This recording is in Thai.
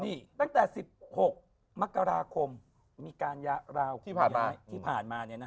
ตั้งแต่๑๖มกราคมมีการยะราวหูย้ายที่ผ่านมา